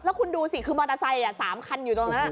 แล้วคุณดูสิคือมอเตอร์ไซค์๓คันอยู่ตรงนั้น